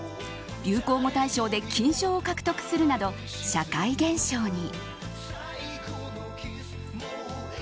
流行語大賞で金賞を獲得するなど社会現象に。